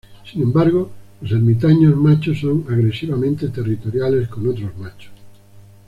Sin embargo, los ermitaños machos son agresivamente territoriales con otros machos.